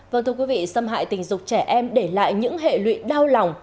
vâng thưa quý vị xâm hại tình dục trẻ em để lại những hệ lụy đau lòng